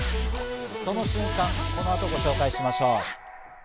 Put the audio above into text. その瞬間、この後、ご紹介しましょう。